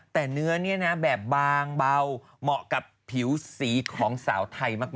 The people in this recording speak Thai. แต่เนื้อนี่นะแบบบางเบาเหมาะกับผิวสีของสาวไทยมาก